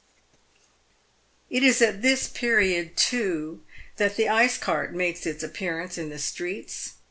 It is at this period, too, that the ice cart makes its appearance in the streets.